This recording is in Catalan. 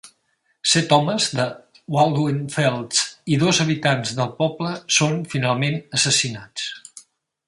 Set homes de Baldwin-Felts i dos habitants del poble són finalment assassinats.